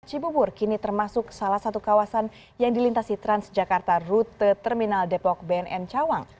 cibubur kini termasuk salah satu kawasan yang dilintasi transjakarta rute terminal depok bnn cawang